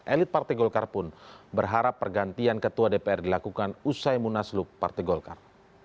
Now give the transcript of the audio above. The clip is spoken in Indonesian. elit partai golkar pun berharap pergantian ketua dpr dilakukan usai munaslup partai golkar